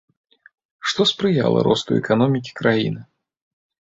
Што спрыяла росту эканомікі краіны?